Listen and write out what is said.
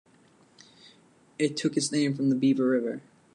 It took its name from the Beaver River.